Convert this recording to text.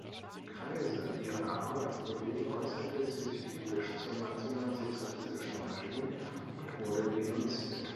Im Kreise ihrer Arbeitskollegen äußerte sie sich kritisch zum nationalsozialistischen Regime und wurde denunziert.